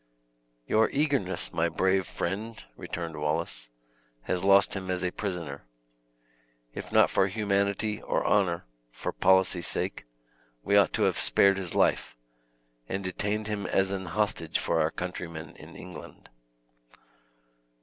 "Your eagerness, my brave friend," returned Wallace, "has lost him as a prisoner. If not for humanity or honor, for policy's sake, we ought to have spared his life, and detained him as an hostage for our countrymen in England."